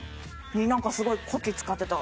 になんかすごいこき使ってた。